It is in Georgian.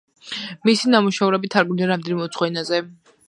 მისი ნამუშევრები თარგმნილია რამდენიმე უცხო ენაზე.